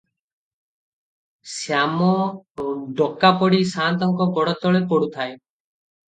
ଶ୍ୟାମ ଡକାପଡ଼ି ସାଆନ୍ତଙ୍କ ଗୋଡ଼ତଳେ ଗଡୁଥାଏ ।